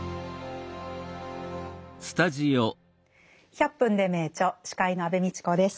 「１００分ｄｅ名著」司会の安部みちこです。